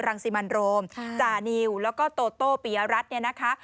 รังสิมันโรมจานิวแล้วก็โตโต้ปิยรัฐเนี่ยนะคะ